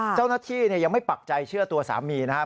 เจ้าหน้าที่ยังไม่ปักใจเชื่อตัวสามีนะครับ